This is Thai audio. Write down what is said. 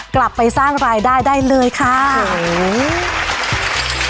กลับไปสร้างรายได้ได้เลยค่ะโอ้โห